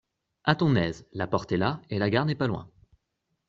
A ton aise ! la porte est là, et la gare n'est pas loin.